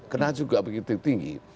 kena juga begitu tinggi